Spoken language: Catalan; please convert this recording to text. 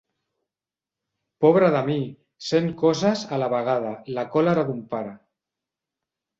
Pobre de mi! Cent coses a la vegada: la còlera d'un pare.